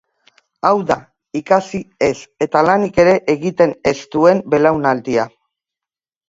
Hau da, ikasi ez, eta lanik ere egiten ez duen belaunaldia.